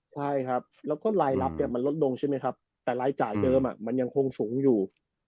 ใช่ครับแล้วก็รายรับเนี่ยมันลดลงใช่ไหมครับแต่รายจ่ายเดิมมันยังคงสูงอยู่